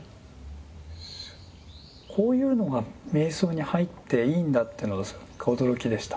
こういうのが瞑想に入っていいんだっていうのが驚きでした。